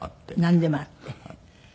なんでもあって。